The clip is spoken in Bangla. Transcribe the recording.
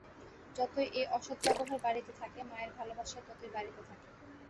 যতই এই অসদ্ব্যবহার বাড়িতে থাকে, মায়ের ভালবাসাও ততই বাড়িতে থাকে।